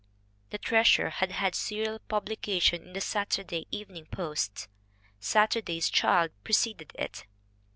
The Treasure had had serial publication in the Saturday Evening Post. Saturday's Child preceded it.